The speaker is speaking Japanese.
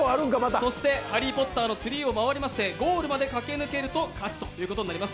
そして「ハリー・ポッター」のツリーを回りましてゴールを駆け抜ければ勝ちとなります。